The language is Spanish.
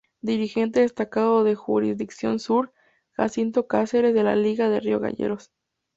Dirigente destacado de Jurisdicción Sur: Jacinto Cáceres de la Liga de Río Gallegos.